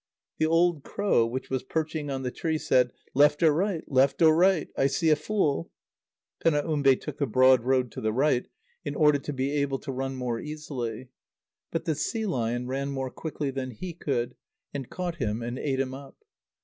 The old crow, which was perching on the tree, said: "Left or right! left or right! I see a fool." Penaumbe took the broad road to the right, in order to be able to run more easily. But the sea lion ran more quickly than he could, and caught him and ate him up.